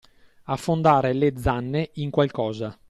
Affondare le zanne in qualcosa.